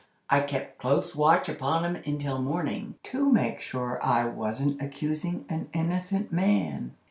I kept close watch upon him until morning, to make sure I was not accusing an innocent man.